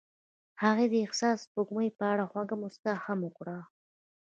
هغې د حساس سپوږمۍ په اړه خوږه موسکا هم وکړه.